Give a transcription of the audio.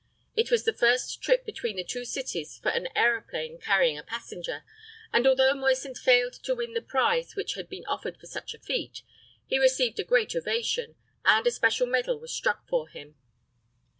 It was the first trip between the two cities for an aeroplane carrying a passenger, and although Moisant failed to win the prize which had been offered for such a feat, he received a great ovation, and a special medal was struck for him.